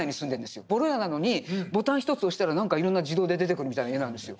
ボロ家なのにボタン一つ押したら何かいろんな自動で出てくるみたいな家なんですよ。